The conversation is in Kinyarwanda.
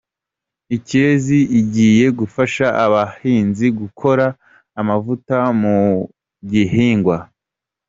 Ikirezi igiye gufasha abahinzi gukora amavuta mu gihingwa